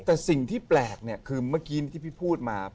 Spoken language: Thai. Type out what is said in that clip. แต่สิ่งที่แปลกเนี่ยคือเมื่อกี้ที่พี่พูดมา